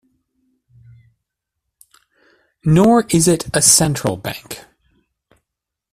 Nor is it a central bank.